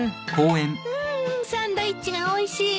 うーんサンドイッチがおいしいわ。